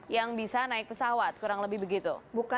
yang bisa naik pesawat kurang lebih begitu